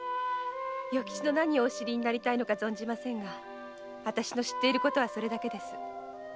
与吉の何をお知りになりたいのか存じませんが私の知っていることはそれだけです。